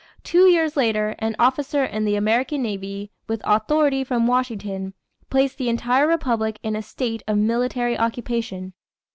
Two years later, an officer in the American navy, with authority from Washington, placed the entire republic "in a state of military occupation."